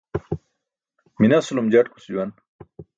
Minasulum jatkus juwan.